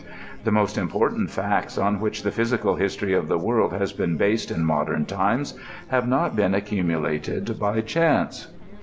The most important facts on which the physical history of the world has been based in modem times, have not been accu mulated by chance.